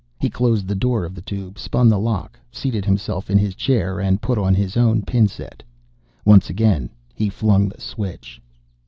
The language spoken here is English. He closed the door of the tube, spun the lock, seated himself in his chair, and put his own pin set on. Once again he flung the switch.